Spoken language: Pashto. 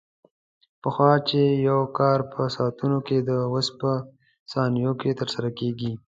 پخوا چې یو کار په ساعتونو کې کېده، اوس په ثانیو کې ترسره کېږي.